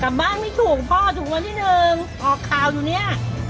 กลับบ้านไม่ถูกพ่อถูกวันที่หนึ่งออกข่าวอยู่เนี่ย